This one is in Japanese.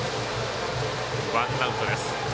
ワンアウトです。